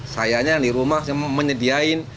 sayangnya yang di rumah menyediain